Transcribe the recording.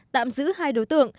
tạm giữ hai đối tượng